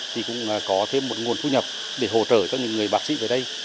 thì cũng có thêm một nguồn thu nhập để hỗ trợ cho những người bác sĩ về đây